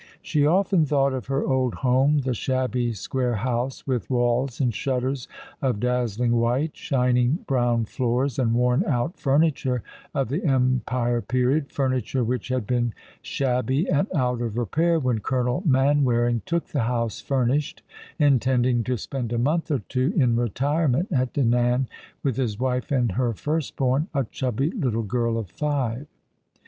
She often thought of her old home, the shabby square house, with walls and shutters of dazzling white, shining brown floors, and worn out furniture of the Empire period, furniture which had been shabby and out of repair when Colonel Man waring took the house furnished, intending to spend a month or two in retirement at Dinan with his wife and her first born, a chubby little girl of five.